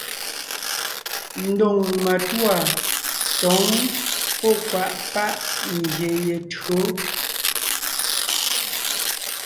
Ndóŋ matûa tǒŋ pɔ́ kwàʼ páʼ ngyè ye tÿǒ.